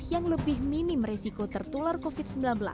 yang lebih minim resiko tertular covid sembilan belas